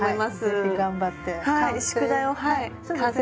ぜひ頑張って完成。